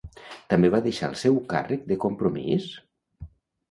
També va deixar el seu càrrec de Compromís?